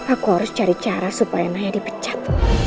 aku harus cari cara supaya naya dipecat